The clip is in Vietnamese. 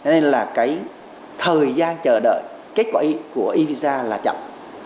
nên là cái thời gian chờ đợi kết quả của visa là chậm